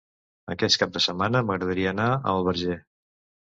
Aquest cap de setmana m'agradaria anar al Verger.